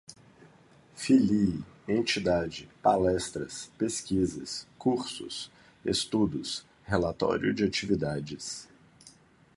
Filie, entidade, palestras, pesquisas, cursos, estudos, relatório de atividades